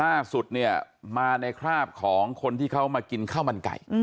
ล่าสุดเนี่ยมาในคราบของคนที่เขามากินข้าวมันไก่